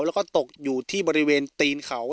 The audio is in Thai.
แล้วก็ตกอยู่ที่บริเวณตีนเขา